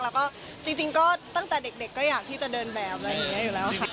แล้วก็จริงก็ตั้งแต่เด็กก็อยากที่จะเดินแบบอยู่แล้วค่ะ